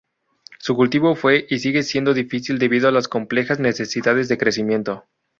Su cultivo fue, y sigue siendo difícil debido a las complejas necesidades de crecimiento.